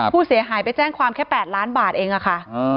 ผู้เสียหายไปแจ้งความแค่๘ล้านบาทเองอะค่ะ